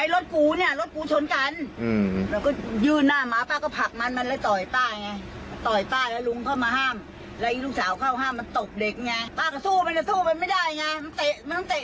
ลุงช่วยมันก็หันต่ออีกลุงไม่รู้จะป้าไม่รู้จะทำยังไง